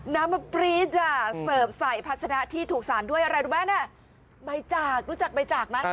น้ำมะปรี๊ดอ่ะเสิร์ฟใส่พัชนะที่ถูกสารด้วยอะไรรู้ไหมน่ะใบจากรู้จักใบจากไหม